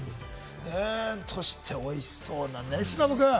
そして、おいしそうなね、忍君。